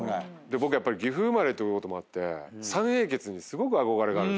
僕岐阜生まれということもあって三英傑にすごく憧れがあるんですよ。